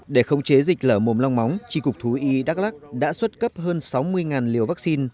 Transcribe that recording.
để khống chế dịch lở mồm long móng tri cục thú y đắk lắc đã xuất cấp hơn sáu mươi liều vaccine